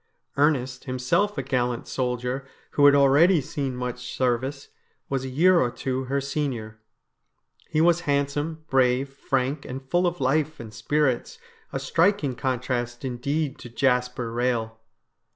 Ernest, himself a gallant soldier who had already seen much service, was a year or two her senior. He was handsome, brave, frank, and full of life and spirits — a striking contrast indeed to Jasper Rehel.